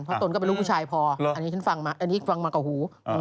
เพราะตนก็เป็นลูกผู้ชายพออันนี้ฟังมาก่อหู